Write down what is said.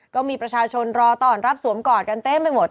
ก็มีประชาชนรอต้อนรับสวมกอดกันเต็มไปหมด